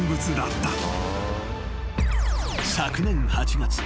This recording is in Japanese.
［昨年８月。